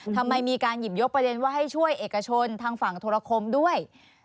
ทำไมมีการหยิบยกประเด็นว่าให้ช่วยเอกชนทางฝั่งธรคมด้วย